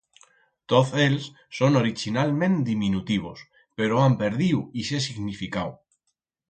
Toz éls son orichinalment diminutivos, pero han perdiu ixe significau.